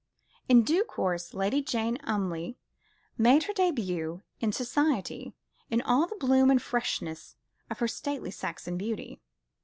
In due course Lady Jane Umleigh made her début in society, in all the bloom and freshness of her stately Saxon beauty.